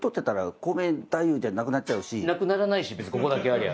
なくならないし別にここだけありゃ。